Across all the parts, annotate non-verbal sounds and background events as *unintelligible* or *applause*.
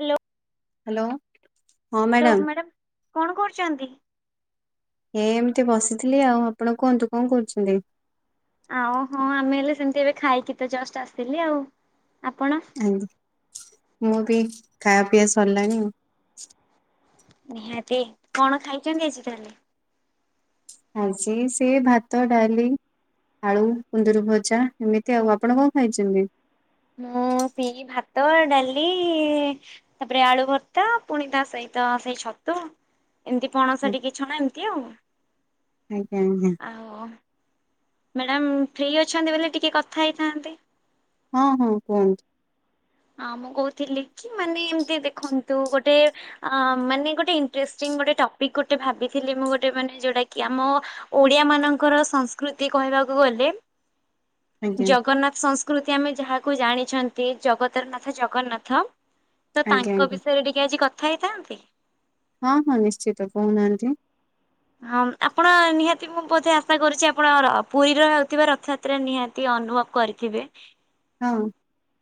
Hello, hello ହଁ hello madam madam କଣ କରୁଛନ୍ତି? ଏମିତି ବସିଥିଲି ଆଉ ଆପଣ କୁହନ୍ତୁ କଣ କରୁଛନ୍ତି? ଆ ହୋଁ ଆମେ ହେଲେ ସେମିତି ଏବେ ଖାଇକି ତ ଜଷ୍ଟ ଆସିଲି। ଆଉ ଆପଣ? ଆଜ୍ଞା, ମୁଁ ବି ଖାଇବା ପିଇଆ ସରିଲାଣି ଆଉ। ନିହାତି କଣ ଖାଇଛନ୍ତି ଆଜି ତାହଲେ? ହଉଛି ଆଜି ସେ ଭାତ ଡାଲି। ଆଳୁ କୁନ୍ଦୁରୁ ଭଜା ଏମିତି ଆଉ ଆପଣ କଣ ଖାଇଛନ୍ତି? ମୁଁ ସେଇ ଭାତ ଡାଲି ଇ ତାପରେ ଆଳୁ ଭର୍ତ୍ତା ପୁଣି ତା ସହିତ ସେଇ ଛତୁ। ଏମିତି ପଣସ ଆ- ଟିକେ ଛଣା ଏମିତି ଆଉ। ଆଜ୍ଞା ଆଜ୍ଞା ଆଉ ମ୍ୟାଡ଼ାମ ଫ୍ରି ଅଛନ୍ତି ବୋଲି। ଟିକେ କଥା ହେଇଥାନ୍ତି। ହଁ, ହଁ କୁହନ୍ତୁ। ଆଁ ମୁଁ କହୁଥିଲି କି ମାନେ ଏମିତି ଦେଖନ୍ତୁ ଗୋଟେ ଅ ମାନେ ଗୋଟେ ଇଣ୍ଟର୍ସ୍ତିଙ୍ଗ ଗୋଟେ ଟପିକ୍ ଗୋଟେ ଭାବିଥିଲି ମୁଁ ଗୋଟେ ମାନେ ଯୋଉଟା କି ଆମ ଓଡିଆ ମାନଙ୍କର ସଂସ୍କୃତି କହିବାକୁ ଗଲେ ଆଜ୍ଞା ଜଗନ୍ନାଥ ସଂସ୍କୃତି ଆମେ ଯାହାକୁ ଜାଣିଛନ୍ତି। ଜଗ ନାଥର ନାଥ ଜଗନ୍ନାଥ ତ ଆଜ୍ଞା ତାଙ୍କ ଆଜ୍ଞା ବିଷୟରେ ଟିକେ ଆଜି କଥା ହେଇଥାନ୍ତି। ହଁ, ହଁ ନିଶ୍ଚିତ କହୁନାହାନ୍ତି। ହଁ ଆପଣ ନିହାତି ମୁଁ ବୋଧେ ଆଶା କରୁଛି ଆପଣର ପୁରୀର ହଉଥିବା ରଥଯାତ୍ର ତ୍ରା ନିହାତି ଅନୁଭବ କରିଥିବେ। ହଁ।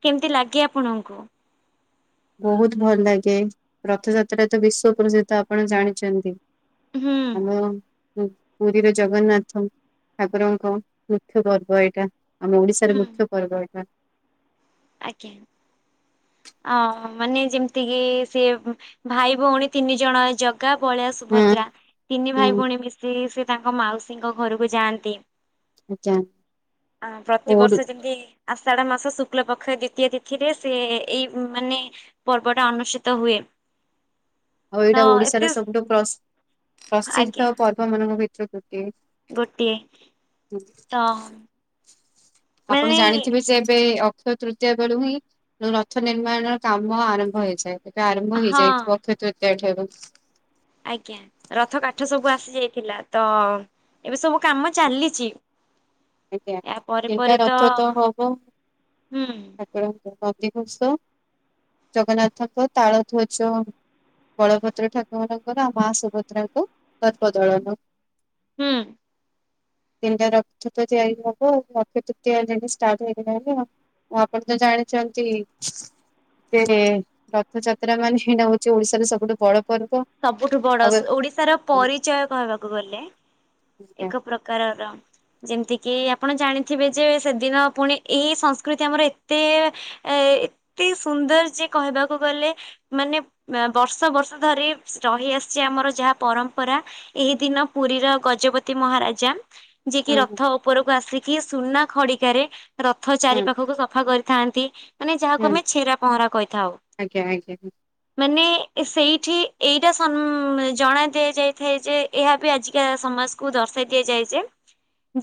କେମିତି ଲାଗେ ଆପଣଙ୍କୁ? ବହୁତ ଭଲ ଲାଗେ ରଥଯାତ୍ରା ତ ବିଶ୍ଵ ପ୍ରସିଦ୍ଧ ଆପଣ ଜାଣିଛନ୍ତି। ହୁଁ *unintelligible* ପୁରୀର ଜଗନ୍ନାଥ ଠାକୁରଙ୍କ ମୁଖ୍ୟ ପର୍ବ ଏଇଟା। ଆମ ଓଡିଶାରେ ହୁଁ ମୁଖ୍ୟ ପର୍ବ ଏଇଟା। ଆଜ୍ଞା। ଅ ମାନେ ଯେମିତି କିି ସିଏ ଭାଇ ଭଉଣୀ ତିନି ଜଣ ଜ ଗା ବଳିଆ ହୁଁ ସୁଭଦ୍ରା ତିନି ଭାଇ ହୁଁ ଭଉଣୀ ମିଶିକି ସେ ତାଙ୍କ ମାଉସୀଙ୍କ ଘରକୁ ଯାଆନ୍ତି। ଆଜ୍ଞା ଆ ଓଡ ପ୍ରତିିବର୍ଷ ଯେମିତି ଆଷାଢ ମାସ ଶୁକ୍ଲ ପ କ୍ଷ ଦ୍ଵିତୀୟ ତିଥିରେ ସେ ଏଇ ମାନେ ପର୍ବ ଟା ଅନୁଷ୍ଠିତ ହୁଏ। ଆଉ ତ ଏଇଟା ଓଡିଶାର ଏତେ ସବୁଠୁ ପ୍ରସ ଆଜ୍ଞା ପ୍ରସିଦ୍ଧ ପର୍ବ ମାନଙ୍କ ଭିତରୁ ଗୋଟିଏ ଗୋଟିଏ ହୁଁ, ତ ଆପଣ ମାନେ ଜାଣିଥିବେ ଯେ ଏବେ ରଥ ତୃତୀୟା ବେଳୁ ହିଁ ରଥ ନିର୍ମାଣର କାମ ଆରମ୍ଭ ହେଇଥାଏ। ଏବେ ଆରମ୍ଭ ହଁ ହେଇଯାଇଥିବ ଅକ୍ଷୟ ତୃତୀୟା ଠାରୁ। ଆଜ୍ଞା ରଥ କାଠ ସବୁ ଆସିଯାଇଥିଲା। ତ ଏବେ ସବୁ କାମ ଚାଲିଚି। ଆଜ୍ଞା। ୟା ପରେ ତିନିଟା ପରେ ତ ରଥ ହୁଁ। ନବିଘୋଷ ଜଗନ୍ନାଥଙ୍କ ତାଳଧ୍ୱଜ ବଳଭଦ୍ର ଠାକୁରଙ୍କର ଆଉ ମା ସୁଭଦ୍ରାଙ୍କ ଦର୍ପଦଳନ। ହୁଁ। ତିନିଟା ରଥ ତ ତିଆରି ହବ ଅକ୍ଷ ତୃତୀୟା ଦିନୁ ଷ୍ଟାର୍ଟ ହେଇଗଲାଣି ଆଉ। ଆପଣ ତ ଜାଣିଚନ୍ତି ସେ ରଥଯାତ୍ରା ମାନେ ସେଇଟା ହଉଚି ଓଡିଶାର ସବୁଠୁ ବଡ ପର୍ବ। ସବୁଠୁ ବଡ ଆଉ ସ ଓଡିଶାର ହୁଁ ପରିଚୟ କହିବାକୁ ଗଲେ ହୁଁ ଏକ ପ୍ରକାରର। ଯେମିତିକି ଆପଣ ଜାଣିଥିବେ ଯେ ସେଦିନ ପୁଣି ଏଇ ସଂସ୍କୃତି ଆମର ଏତେ ଏ ଏତେ ସୁନ୍ଦର ଯେ କହିବାକୁ ଗଲେ ମାନେ ବର୍ଷ ବର୍ଷ ଧରି ରହି ଆସିଚି ଆମର ଯାହା ପରମ୍ପରା ଏହି ଦିନ ପୁରୀର ଗଜପତି ମହାରାଜା ଯିଏ କିି ରଥ ଉପରକୁ ଆସିକି ସୁନା ଖଡିକାରେ ରଥ ଚାରି ହୁଁ ପାଖକୁ ସଫା କରିଥାନ୍ତି। ମାନେ ହୁଁ ଯାହାକୁ ଆମେ ଛେରା ପହଁରା କହିଥାଉ। ଆଜ୍ଞା ଆଜ୍ଞା ମାନେ ସେଇଠି ଏଇଟା ସମ ଜଣା ଦିଆଯାଇଥାଏ ଯେ ଏହା ବି ଆଜିକା ସମାଜ କୁ ଦର୍ଶାଇ ଦିଆଯାଏ ଯେ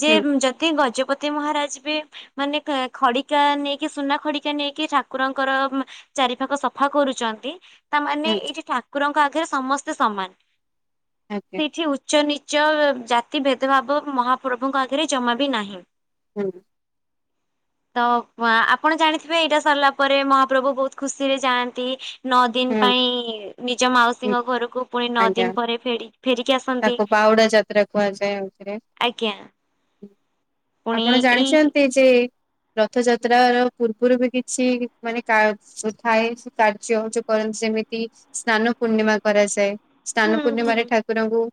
ଯେ ହୁଁ ଯଦି ଗଜପତି ମହାରାଜ ବି ମାନେ ଖଡିକା ନେଇକି ସୁନା ଖଡିକା ନେଇକି ଠାକୁରଙ୍କର ଚାରି ପାଖ ସଫା କରୁଚନ୍ତି। ତାମାନେ ହୁଁ ଏଇଠି ଠାକୁରଙ୍କ ଆଗରେ ସମସ୍ତେ ସମାନ। ଆଜ୍ଞା ସେଇଠି ଉ ଚ ନିଚ ଜାତି ଭେଦଭାବ ମହାପ୍ରଭୁଙ୍କ ଆଗରେ ଜମା ବି ନାହିଁ। ହୁଁ। ତ ଆପଣ ଜାଣିଥିବେ ଏଇଟା ସରିଲା ପରେ ମହାପ୍ରଭୁ ବହୁତ ଖୁସିରେ ଯାଆନ୍ତି। ନଅ ଦିନ ହୁଁ ପାଇଁ ନିଜ ହୁଁ ମାଉସୀଙ୍କ ଘରକୁ ପୁଣି ନଅ ଆଜ୍ଞା ଦିନ ପରେ ଫେରି ଫେରିକି ଆସନ୍ତି। ତାକୁ *unintelligible* ଆଜ୍ଞା। ପୁଣି ଆପଣ ଏଇ ଜାଣିଚନ୍ତି ଯେ ରଥଯାତ୍ର ର ପୂର୍ବରୁ ବି କିଛି ମାନେ କା ଯୋଉ ଥାଏ କାର୍ଯ୍ୟ ଯୋଉ କରନ୍ତି ଯେମିତି ସ୍ନାନ ପୂର୍ଣ୍ଣିମା କରାଯାଏ ସ୍ନାନ ହୁଁ ହୁଁ ପୂର୍ଣ୍ଣିମରେ ଠାକୁ କୁକୁରଙ୍କୁ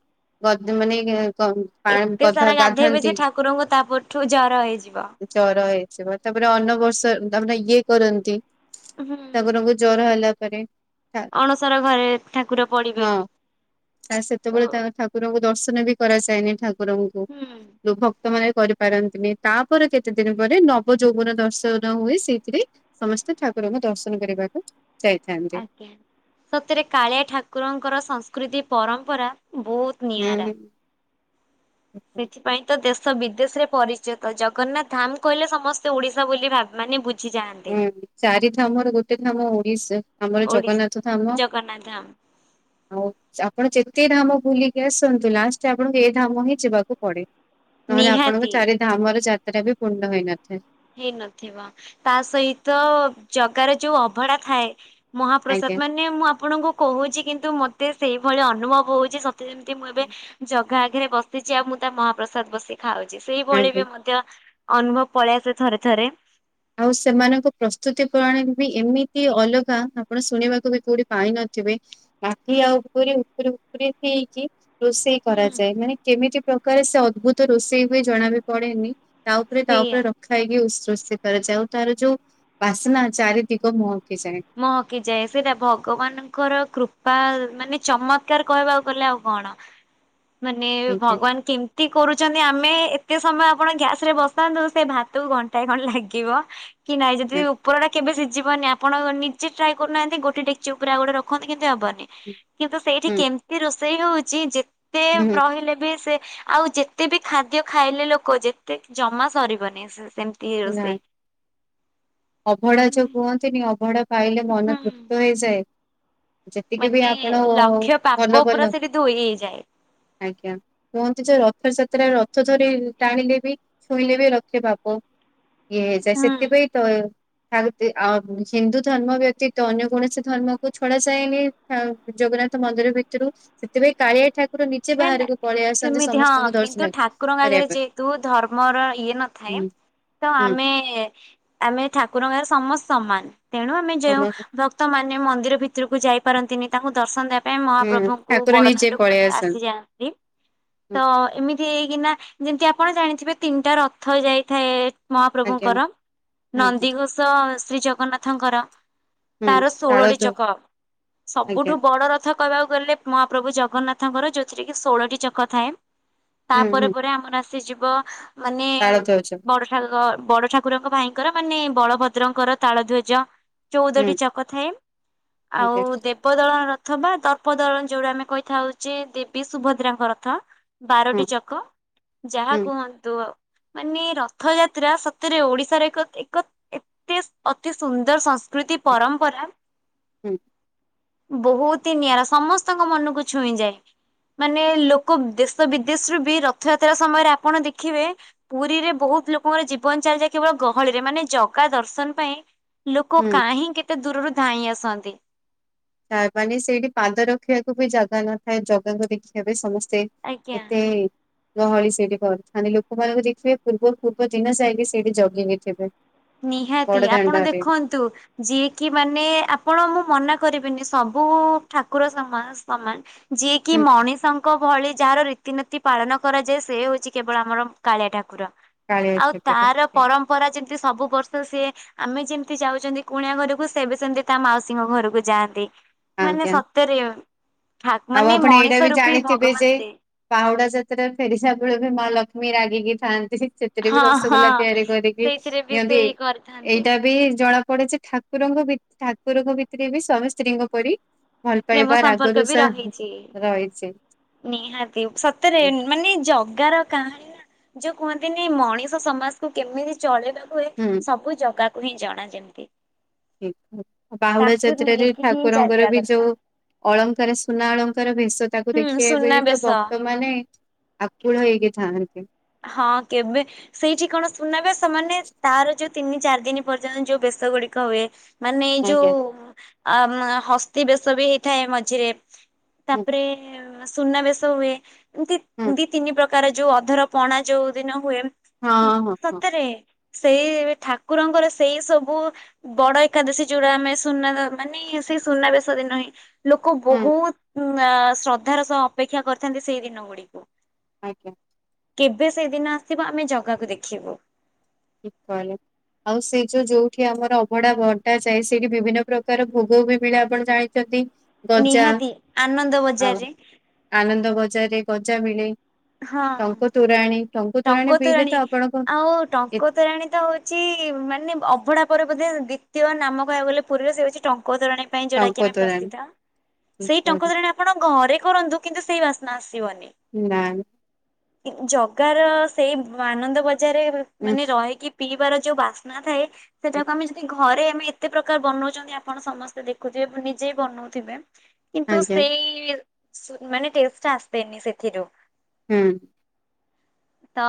ଗଦ୍ ମାନେ-ଏ-ଏ କନ୍ ଏତେ ସାରା ଗାଧେଇବେ ଯେ ଠାକୁରଙ୍କୁ ତା ପରଠୁ ଜର ହେଇଯିବ। ଜର ହେଇଯିବ ତାପରେ ଅନ ବର୍ଷ ତାପ ଇଏ କରନ୍ତି ହୁଁ ତାଙ୍କରଙ୍କୁ ଜର ହେଲା ପରେ ଥା ଅଣସର ଘରେ ଠାକୁର ପଡିବେ ହଁ ତା ତ ସେତେବେଳେ ତା ଠା କୁରଙ୍କୁ ଦର୍ଶନ ବି କରାଯାଏନି ଠାକୁରଙ୍କୁ। ହୁଁ। ଯୋଉ ଭକ୍ତ ମାନ କରିପାରନ୍ତିନି ତାପରେ କେତେ ଦିନ ପରେ ନବ ଯୌବନ ଦର୍ଶନ ହୁଏ ସେଇଥିରେ ସମସ୍ତେ ଠାକୁରଙ୍କୁ ଦର୍ଶନ କରିବାକୁ ଯାଇଥାନ୍ତି। ସତରେ କାଳିଆ ଠାକୁରଙ୍କର ସଂସ୍କୃତି ପରମ୍ପରା ବହୁତ ହୁଁ ହୁ। ସେଇଠି ପାଇଁ ତ ଦେଶ ବିଦେଶରେ ପରିଚିତ ଜଗନ୍ନାଥ ଧାମ କହିଲେ ସମସ୍ତେ ଓଡିଶା ବୋଲି ଭା ମାନେ ବୁ ହୁଁ ଚାରି ଧାମର ଗୋଟେ ଧାମ ଓଡିଶା ଆମର ଓଡିଶ ଜଗନ୍ନାଥ ଧାମ। ଜଗନ୍ନାଥ ଧାମ ହଉ। ଆପଣ ଯେତେ ଧାମ ବୁଲିକି ଆସନ୍ତୁ ଲାଷ୍ଟରେ ଆପଣଙ୍କୁ ଏ ଧାମ ହିଁ ଯିବାକୁ ପଡେ। ନହେଲେ ଆପଣଙ୍କ ନିହାତି ଚାରିଧାମର ଯାତ୍ରା ବି ପୂର୍ଣ୍ଣ ହେଇନଥାଏ। ହେଇନଥିବ ତା ସହିତ-ଅ-ଅ ଜଗାର ଯୋଉ ଅଭଢା ଥାଏ ଆଜ୍ଞା ମହାପ୍ରସାଦ ମାନେ ମୁଁ ଆପଣଙ୍କୁ କହୁଛି କିନ୍ତୁ ମତେ ସେଇଭଳି ଅନୁଭବ ହଉଛି ସ ତେ ଏମିତି ମୁଁ ଏବେ ଜଗା ଆଗରେ ବସିଛି ଆଉ ମୁଁ ତା ମହାପ୍ରସାଦ ବସି ଥାଉଛି ସେଇଭଳି ଆଜ୍ଞା। ବି ମଧ୍ୟ ଅନୁଭବ ପଳେଇଆସେ ଥରେ ଥରେ। ଆଉ ସେମାନଙ୍କ ପ୍ରସ୍ତୁତି ପ୍ରଣାଳୀ ବି ଏମିତି ଅଲଗା ଆପଣ ଶୁଣିବାକୁ ବି କୋଉଠି ପାଇନଥିବେ। ମାଠିଆ ଉପରେ ଉପରେ ଉପରେ ହେଇଛି ରୋଷେଇ ହୁଁ କରାଯାଏ ମାନେ କେମିତି ପ୍ରକାର ସେ ଅଦ୍ଭୁତ ରୋଷେଇ ହୁଏ ଜଣା ବି ପଡେନି। ତା ଉପରେ ତା ସେଇଆ ଉପରେ ରଖା ହେଇକି ଉ ରୋଷେଇ କରାଯାଉ ତାର ଯୋଉ ବାସ୍ନା ଚାରି ଦିଗ ମୁଁହକି ଯାଏ। ମୁହକିଯାଏ ସେଇଟା ଭଗବାନଙ୍କର କୃପା ମାନେ ଚମତ୍କାର କହିବାକୁ ଗଲେ ଆଉ କଣ। ମାନେ-ଏ-ଏ ଆଜ୍ଞା। ଭଗବାନ କେମତି ତି କରୁଛନ୍ତି ଆମେ-ଏ-ଏ ଏତେ ସମୟ ଆପଣ ଗ୍ୟାସ ରେ ବସାନ୍ତୁ ସେ ଭାତକୁ ଘଣ୍ଟାଏ ଖଣ୍ ଲାଗିବ। କି ନାହିଁ ଯଦି ଉପର ଟା କେବେ ସିଝିବନି ଆପ୍ ପଣ ନିଜେ ଟ୍ରାଏ କରୁନାହାନ୍ତି ଗୋଟେ ଡେକ୍ଚି ପୁରା ଗୋଟେ ରଖନ୍ତି କିନ୍ତୁ ହେବନି ହୁଁ କିନ୍ତୁ ସେଇଠି ହୁଁ କେମ ତି ରୋଷେଇ ହଉଛି ଯେତେ ରହିଲେ ବି ସେ ଆଉ ଯେତେ ବି ଖାଦ୍ୟ ଖାଇଲେ ଲୋକ ଯେତେ ଜମା ସରିବନି ସେ ସେମ ତି ନା ରୋଷେଇ। ଅଭଡା ଯୋଉ କୁହନ୍ତିନି ଅଭଡା ପାଇଲେ ମନ ହୁଁ। ତୃପ୍ତ ହେଇଯାଏ। ଯେତିକି ବି ମାନେ ଆପଣ-ଅ-ଅ-ଅ ଲକ୍ଷ୍ୟ ପାପ ଭଲ ପୁରା ଭଲ ସେଠି ଧୋଇ ହେଇଯାଏ। ଆଜ୍ଞା। କୁହନ୍ତି ଯେ ରଥଯାତ୍ରା ରଥ ଧରି ଟାଣିଲେ ବି ଛୁଇଁଲେ ବି ଲକ୍ଷ ପାପ ଇଏ ହେଇ ଯାଏ ହୁଁ ସେଥିପାଇଁ ତ ଆହୁତି ଆ ହିନ୍ଦୁ ଧର୍ମ ବ୍ୟତୀତ ଅନ୍ୟ କୌଣସି ଧର୍ମକୁ ଛଡା ଯାଏନି। ଆଉ ଜଗନ୍ନାଥ ମନ୍ଦିର ଭିତରୁ ସେଥିପାଇଁ କାଳିଆ ଠା ଯେ ନା ନା ବାହାରକୁ ପଳେଇ ସେମିତି ହଁ କିନ୍ତୁ ଦର୍ଶନ ଠାକୁରଙ୍କ କରିବା ଆଗରେ ପାଇଁ ଯେହେତୁ ଧର୍ମର ଇଏ ନଥାଏ ହୁଁ ତ ହୁଁ ଆମେ-ଏ-ଏ-ଏ ଆମେ ଠାକୁରଙ୍କର ସମସ୍ତେ ସମାନ ତେଣୁ ଆମେ ଯେଉଁ ସମ ଭ ଭକ୍ତ ମାନେ ମନ୍ଦିର ଭିତରକୁ ଯାଇପାରନ୍ତିନି ତାଙ୍କୁ ଦର୍ଶନ ଦେବା ପାଇଁ ହୁଁ ମହାପ୍ରଭୁଙ୍କୁ ଠାକୁର ନିଜେ ବଡଦାଣ୍ଡକୁ ପଳେଇ ମାନେ ଆସି ଆସନ୍ତି। ଥାଆନ୍ତି। ତ ହୁଁ ଏମିତି ହେଇକିନା, ଯେମତି ଆପଣ ଜାଣିଥିବେ ତିନିଟା ରଥ ଯାଇଥାଏ। ଆଜ୍ଞା ମହାପ୍ରଭୁଙ୍କର, ଆଜ୍ଞା ନନ୍ଦିଘୋଷ ଶ୍ରୀ ଜଗନ୍ନାଥଙ୍କର। ହୁଁ ତାର ତାଳ ଷୋଳଟି ଚକ, ଆଜ୍ଞା ସବୁଠୁ ବଡ ରଥ କହିବାକୁ ଗଲେ, ମହାପ୍ରଭୁ ଜଗନ୍ନାଥଙ୍କର ଯୋଉଥିରେ କି ଷୋଳଟି ଚକ ଥାଏ। ହୁଁ ତାପରେ ହୁଁ ପରେ ଆମର ଆସି ଯିବ ମାନେ, ତାଳ ଦଉଛ ବଡ *unintelligible* ବଡ ଠାକୁରଙ୍କ ଭାଇଙ୍କର ମାନେ ବଳଭଦ୍ରଙ୍କର ତାଳ ଧ୍ୱଜ ହୁଁ ଚଉଦଟି ଚକ ଥାଏ, ଆଉ ଆଜ୍ଞା ଦେ ଦର୍ପଦଳନ ରଥ ବା, ତର୍ପ ଦଳନ ଯୋଉଟା ଆମେ କହିଥାଉଚେ ଦେବୀ ସୁଭଦ୍ରାଙ୍କ ରଥ। ହଁ ବାରଟି ଚକ, ଯାହା ହୁଁ କୁହନ୍ତୁ ମାନେ ରଥଯାତ୍ରା ସତରେ ଓଡିଶାର ଏକ ଏକ ଏତେ, ଅତି ସୁନ୍ଦର ସଂସ୍କୃତି ପରମ୍ପରା ହୁଁ। ବହୁତ ହି ନିଆରା, ସମସ୍ତଙ୍କ ମନକୁ ଛୁଇଁଯାଏ। ମାନେ ଲୋକ ଦେଶ ବିଦେଶରୁୁ ବି ରଥଯାତ୍ରା ସମୟରେ ଆପଣ ଦେଖିବେ ପୁରୀରେ ବହୁତ ଲୋକଙ୍କର ଜୀବନ ଚାଲିଯାଏ କେବଳ ଗହଳିରେ, ମାନେ ଜଗା ଦର୍ଶନ ପାଇଁ ଲୋକ ହୁଁ କାହିିଁ କେତେ ଦୂରରୁ ଧାଇଁ ଆସନ୍ତି। ତା ମାନେ ସେଇଠି ପାଦ ରଖିବାକୁ ବି ଜାଗା ନଥାଏ ଜଗାକୁ ଦେଖିବା ବି ସମସ୍ତେ ଆଜ୍ଞା। ଏତେ ଗହଳି ସେଇଠି କରିଥାନ୍ତି, ଲୋକମାନଙ୍କୁ ଦେଖିବେ ପୂର୍ବ ପୂର୍ବ ଦିନ ଯାଇକି ସେଇଠି ଜଗି କି ଥିବେ। ନିହାତି ଆପଣ ବଡଦାଣ୍ଡରେ ଦେଖନ୍ ନ୍ତୁ ଯିଏ କିି ମାନେ, ଆପଣ ମୁଁ ମନା କରିବିନି। ସବୁ-ଉ ଠାକୁର ସମାନ ସମାନ ଯିଏ କି ହୁଁ ମଣିଷଙ୍କ ଙ୍କ ଭଳି ଯାହାର ରୀତିନୀତି ପାଳନ କରାଯାଏ ସେ ହଉଛି କେବଳ ଆମର କାଳିଆ ଠାକୁର। କାଳିଆ ଆଉ ଠାକୁର ତାର ପରମ୍ପରା ଯେମତି ସବୁ ବର୍ଷ ସିଏ ଆମେ ଯେମିତି ଯାଉଛନ୍ତି କୁଣିଆ ଘରକୁ, ସେ ବି ସେମତି ତା ମାଉସୀଙ୍କ ଘରକୁ ଯାଆନ୍ତି। ମାନେ ଆଜ୍ଞା। ସତରେ ଠା ଆଉ ମାନେ, ମଣିଷ ରୂପୀ ଭଗବାନ ସେ। ପାହୁଡା ଯାତ୍ରା ଫେରିିସା ବେଳେ ବି ମା ଲକ୍ଷ୍ମୀ ରାଗିକି ଥାଆନ୍ତି। ସେତ୍ ଥିରେ ବି ହଁ ହଁ ରସଗୋଲା ତିଆରି କରିକି ସେଇଥିରେ ବି ନିଅନ୍ତି। ସେଇ କରିଥାନ୍ତି। ଏଇଟା ବି ଜଣା ପଡେ ଯେ ଠାକ୍ କୁରଙ୍କ ଭିତ୍ ଠାକୁରଙ୍କ ଭିତରେ ବି ସ୍ୱାମୀ ସ୍ତ୍ରୀଙ୍କ ପରି ଭଲ ପ୍ରେମ ପାଇବା ରାଗ ସମ୍ପର୍କ ବି ରୁଷା ରହିଛି। ରହିଛି। ନିହାତି, ସତରେ ମାନେ ଜଗାର କାହାଣୀ ନା! ଯୋଉ କୁହନ୍ତିନି, ମଣିଷ ସମାସକୁୁ କେମିତି ଚଳେଇବା ହୁଏ ହୁଁ ସବୁ ଜାଗାକୁ ହିଁ ଜଣା ଯେମତି ଠିକ୍ ବାହୁଡା ଯାତ୍ରାରେ ହିଁ ଠାକୁରଙ୍କର ଚାଲିବା ବି କଥା। ଯୋଉ ଅଳଙ୍କାର ସୁନା ଅଳଙ୍କାର ଭେଷ ତାକୁ ହୁଁ ଦେଖିବେ ବେଳିତ ସୁନାବେଶ ଭକ୍ତମାନେ ଆକୁଳ ହେଇକି ଥାଆନ୍ତି। ହଁ, କେବେ ସେଇଠି କଣ ସୁୁନାବେଶ ମାନେ, ତାର ଯୋଉ ତିନି ଚାରି ଦିନ ପର୍ଯ୍ୟନ୍ତ ଯୋଉ ବେଶ ଗୁଡିକ ହୁଏ। ମାନେ ଏଇ ଯୋଉ ଆଜ୍ଞା ଅମ୍ ହସ୍ତି ବେଶ ବି ହେଇଥାଏ ମଝିରେ ହୁଁ ତା'ପରେ ସୁନାବେଶ ହୁଏ, ଏମତି ହୁଁ ଦି ତିନି ପ୍ରକାର ଯୋଉ ଅଧର ପଣା ଯୋଉ ଦିନ ହୁଏମ୍ ହଁ ହଁ ହଁ ସତରେ ସେଇ ଠାକୁରଙ୍କର ସେଇ ସବୁ ବଡ ଏକାଦଶୀ ଯୋଉଡା, ଆମେ ସୁନା ମାନେ ସେଇ ସୁନାବେଶ ଦିନ ହିଁ ଲୋକ ହୁଁ ବହୁତ୍ ଆଁ ଶ୍ରଦ୍ଧାର ସହ ଅପେକ୍ଷା କରିଥାନ୍ତି ସେଇ ଦିନ ଗୁଡିକୁ। ଆଜ୍ଞା। କେବେ ସେଇଦିନ ଆସିବ ଆମେ ଜଗାକୁ ଦେଖିବୁ। *unintelligible* ଆଉ ସେଇ ଜଉ ଯୋଉ ଯୋଉଠି ଆମର ଅଭଡା ବଣ୍ଟା ଯାଏ ସେଇଠି ବିଭିନ୍ନ ପ୍ରକାର ଭୋଗ ବି ମିଳେ ଆପଣ ଜାଣି ଚନ୍ତି। ନିହାତି ଆନନ୍ଦ ବଜାରରେ। ଆନନ୍ଦ ବଜାରରେ ଗଜା ମିଳେ। ହଁ ଟଙ୍କୁ ତୋରାଣୀ ଟଙ୍କୁ ତୋରାଣୀ ପିଇଲେ ତ ଆପଣଙ୍କ ଏ ଟଙ୍କତୋରାଣୀ ତ ହଉଛି ମାନେ ଅଭ ତାପରେ ବୋଧେ ଦ୍ୱିତୀୟ ନାମ କହିବାକୁ ଗଲେ ପୁରୀର ସେ ହେଉଛି ଟଙ୍କତୋରାଣୀ। ପାଇଁ ଯୋଉଟା ଟଙ୍କ କି ଆମେ ତୋରାଣୀ ପ୍ରସିଦ୍ଧ ଠିକ ସେଇ କହିଲେ। ଟଙ୍କତୋରାଣି ଆପ ଆପଣ ଘରେ କରନ୍ତୁ କିନ୍ତୁ ସେଇ ବାସ୍ନା ଆସିବନି। ନାନ୍। ଜଗାର ସେଇ ଆନନ୍ଦ ବଜାରରେ ହୁଁ, ମାନେ ରହିକି ପିଇବାର ଯୋଉ ବାସ୍ନା ଥାଏ ସେଟାକୁ ଆମେ ଯ ଘରେ ଆମେ ଏତେ ପ୍ରକାର ବନଉଛନ୍ତି ଆପଣ ସମସ୍ତେ ଦେଖୁଥିବେ ନିଜେ ବି ବନଉଥିବେ। କିନ୍ତୁ ଆଜ୍ଞା ସେଇ ମାନେ ଟେଷ୍ଟ୍ ଟା ଆସେନି ସେଥିରୁ। ହୁଁ। ତ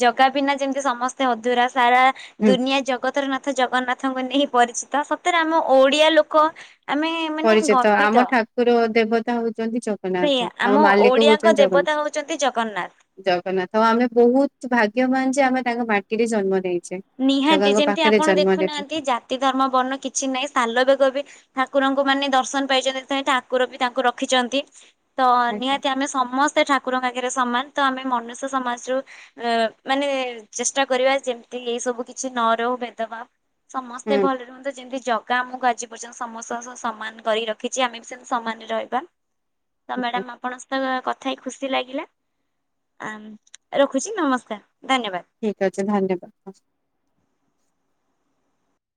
ଜଗା ବିନା ଯେମିତି ସମସ୍ତେ ଅଧୁରା ସାରା ହୁଁ ଦୁନିଆ ଜଗତ ତରନାଥ ଜଗନ୍ନାଥଙ୍କୁ ନେଇ ପରିଚିତ ସତରେ ଆମ ଓଡିଆ ଲୋକ ଆମେ ମାନେ ପରିଚିତ ଆମ ଗର୍ବିତ ଠାକୁର ଦେବତା ହଉଛନ୍ତି ସେଇଆ ଜଗନ୍ନାଥ ଆମ ମାଲିକ ଓଡିଆଙ୍କ ହଉଛନ୍ତି ଜଗନ୍ନାଥ। ଦେବତା ହଉଛନ୍ତି ଜଗନ୍ନାଥ। ଜଗନ୍ନାଥ ହଁ ଆମେ ବହୁତ ଭାଗ୍ୟବାନ ଯେ ଆମେ ତାଙ୍କ ମାଟିରେ ଜନ୍ମ ଦେଇଛେ। ନିହାତି ଯେମିତି ଆପଣ ଦେଖୁନାହାନ୍ତି ଜାତି ଧର୍ମ ବର୍ଣ୍ଣ କିଛି ନାହିଁ ସାଲବେଗ ବି ଠାକୁରଙ୍କୁ ମାନେ ଦର୍ଶନ ପାଇଛନ୍ତି ସେଥିପାଇଁ ଠାକୁର ବି ତାଙ୍କୁ ରଖିଛନ୍ତି। ତ ଆଜ୍ଞା ନିହାତି ଆମେ ସମସ୍ତେ ଠାକୁ କୁରଙ୍କ ଆଗରେ ସମାନ ତ ଆମେ ମନୁଷ୍ୟ ସମାଜରୁ ମାନେ ଚେଷ୍ଟା କରିବା ଯେମତି ଏଇ ସବୁ କିଛି ନ ରହୁ ଭେଦଭାବ ହୁଁ ସମସ୍ତେ ଭଲ ରୁହନ୍ତୁ ଯେମିତି ଜ ଗା ଆମକୁ ଆଜି ପର୍ଯ୍ୟନ୍ତ ସମସ୍ତଙ୍କ ସହ ସମାନ କରି ରଖିଛି ଆମେ ବି ସେମତି ସମାନରେ ରହିବା। ତ ଆଜ୍ଞା। ମ୍ୟାଡାମ୍ ଆପଣ ସ ତ କଥା ହେଇ ଖୁସି ଲାଗିଲା ରଖୁଛି ନମସ୍କାର ଧନ୍ୟବାଦ। ଠିକ୍ ଅଛି ଧନ୍ୟବାଦ।